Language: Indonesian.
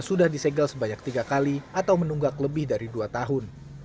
sudah disegel sebanyak tiga kali atau menunggak lebih dari dua tahun